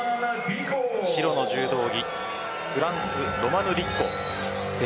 白の柔道着はフランスロマヌ・ディッコです。